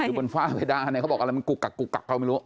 บนฝ้าเพดานเนี่ยเขาบอกอะไรมันกุกกักกุกกักก็ไม่รู้